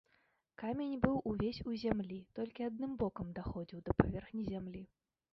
Камень быў увесь у зямлі, толькі адным бокам даходзіў да паверхні зямлі.